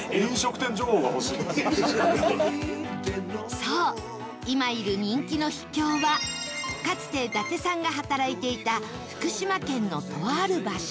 そう今いる人気の秘境はかつて伊達さんが働いていた福島県のとある場所